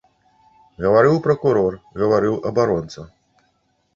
Гаварыў пракурор, гаварыў абаронца.